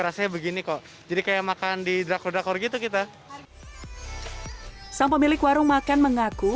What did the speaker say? rasanya begini kok jadi kayak makan di drakor drakor gitu kita sang pemilik warung makan mengaku